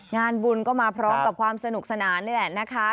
งานบุญก็มาพร้อมกับความสนุกสนานนี่แหละนะคะ